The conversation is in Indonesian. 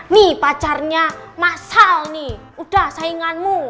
nih pacarnya masal nih udah sainganmu